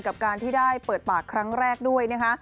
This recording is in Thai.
กับการที่ได้เปิดปากครั้งแรกด้วยนะคะ